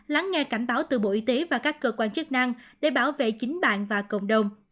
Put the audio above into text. lắng nghe cảnh báo từ bộ y tế và các cơ quan chức năng để bảo vệ chính bạn và cộng đồng